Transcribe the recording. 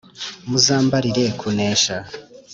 muzambarire kunesha